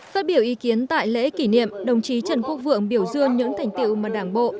phát biểu ý kiến tại lễ kỷ niệm đồng chí trần quốc vượng biểu dương những thành tiệu mà đảng bộ